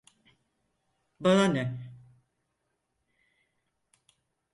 Bana ne!